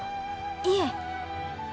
いえ。